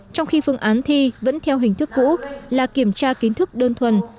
trong khi phương án thi vẫn theo hình thức cũ là kiểm tra kiến thức đơn thuần